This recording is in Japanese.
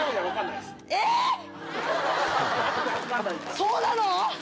そうなの？